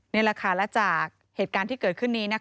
นี่แหละค่ะและจากเหตุการณ์ที่เกิดขึ้นนี้